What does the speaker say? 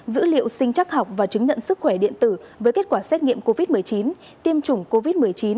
dữ liệu sinh chắc học và chứng nhận sức khỏe điện tử với kết quả xét nghiệm covid một mươi chín tiêm chủng covid một mươi chín